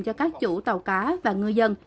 cho các chủ tàu cá và ngư dân